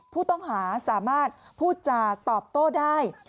ผู้ต้องหาสามารถพูดจาตอบโต้ได้